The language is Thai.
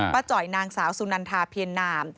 จ่อยนางสาวสุนันทาเพียรนาม